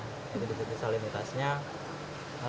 ini berbeda beda salinitasnya